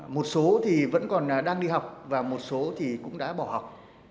một số thì vẫn còn đang đi học và một số thì cũng đã bỏ học